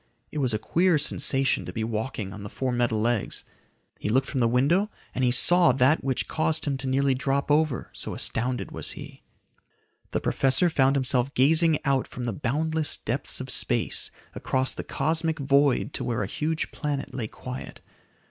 It was a queer sensation to be walking on the four metal legs. He looked from the window and he saw that which caused him to nearly drop over, so astounded was he. The professor found himself gazing out from the boundless depths of space across the cosmic void to where a huge planet lay quiet.